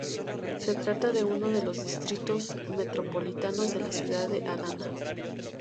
Se trata de uno de los distritos metropolitanos de la ciudad de Adana.